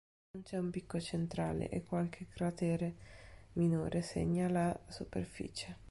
Non c'è un picco centrale e qualche cratere minore segna la superficie.